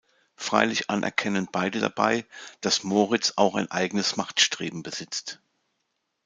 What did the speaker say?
Freilich anerkennen beide dabei, dass Moritz auch ein eigenes Machtstreben besitzt.